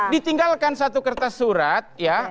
ditinggalkan satu kertas surat ya